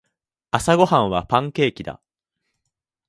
朝ごはんはパンケーキだ。